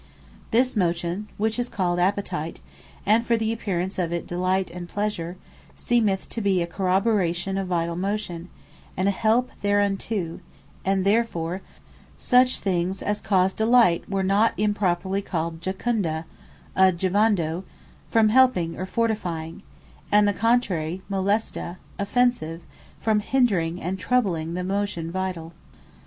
Pleasure Offence This Motion, which is called Appetite, and for the apparence of it Delight, and Pleasure, seemeth to be, a corroboration of Vitall motion, and a help thereunto; and therefore such things as caused Delight, were not improperly called Jucunda, (A Juvando,) from helping or fortifying; and the contrary, Molesta, Offensive, from hindering, and troubling the motion vitall.